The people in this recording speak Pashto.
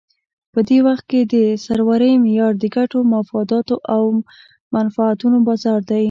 په دې وخت کې د سرورۍ معیار د ګټو، مفاداتو او منفعتونو بازار دی.